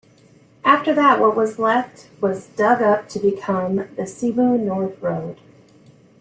After that, what was left was dug up to become the Cebu North Road.